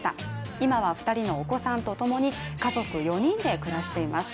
今は２人のお子さんと共に家族４人で暮らしています。